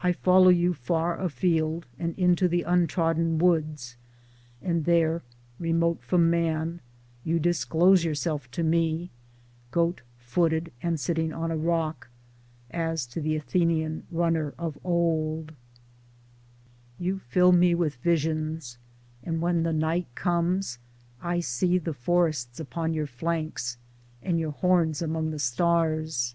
1 follow you far afield and into the untrodden woods, and there remote from man you disclose yourself to me, goat footed and sitting on a rock — as to the Athenian runner of old. 20 Towards Democracy You fill me with visions, and when the night comes I see the forests upon your flanks and your horns among the stars.